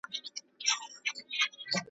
لمر لوېدلی وو هوا تیاره کېدله .